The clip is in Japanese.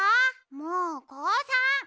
もうこうさん。